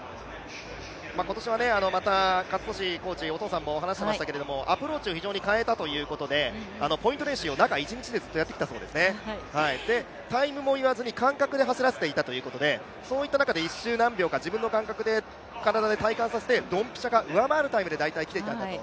今年また健智コーチ、お父さんもアプローチを非常に変えたということで、ポイント練習を中１日でやってきたそうですね、タイムも言わずに走らせていたということでそういった中で１周何秒か自分の体で体感させて、どんぴしゃか、上回るタイムで大体来ていたんだと。